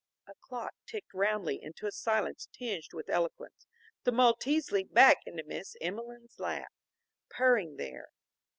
A clock ticked roundly into a silence tinged with eloquence. The Maltese leaped back into Miss Emelene's lap, purring there.